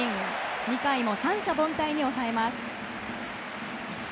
２回を三者凡退に抑えます。